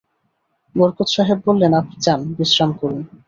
বরকত সাহেব বললেন, আপনি যান, বিশ্রাম করুন।